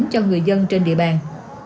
cho người dân trên địa bàn